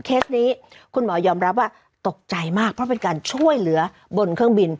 เคสนี้คุณหมอยอมรับว่าตกใจมากเพราะเป็นการช่วยเหลือบนเครื่องบิน